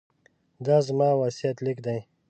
دا زما وصیت لیک دی.